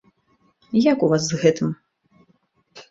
Як у вас з гэтым?